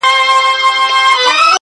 • که نقاب پر مخ نیازبینه په مخ راسې..